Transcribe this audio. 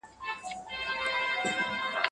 تاسو باید د خپلواکۍ ارزښت په سمه توګه وپېژنئ.